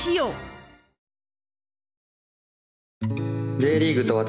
「Ｊリーグと私」